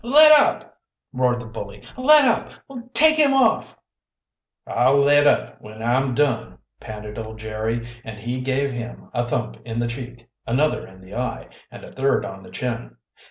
let up!" roared the bully. "Let up! Take him off!" "I'll let up, when I'm done," panted old Jerry, and he gave him a thump in the cheek, another in the eye, and a third on the chin.